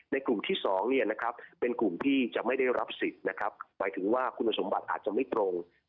กลุ่มที่๒เป็นกลุ่มที่จะไม่ได้รับสิทธิ์นะครับหมายถึงว่าคุณสมบัติอาจจะไม่ตรง